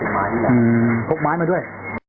อื้อออพวกไม้มาด้วย